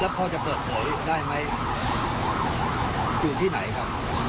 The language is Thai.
แล้วพอจะเปิดเผยได้ไหมอยู่ที่ไหนคะ